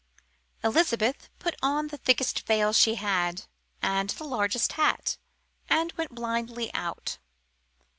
Elizabeth put on the thickest veil she had, and the largest hat, and went blindly out.